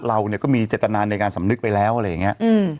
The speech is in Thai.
เราก็มีเจตนาในการสำนึกไปแล้วอะไรอย่างนี้